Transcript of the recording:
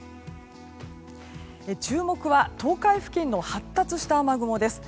注目は東海付近の発達した雨雲です。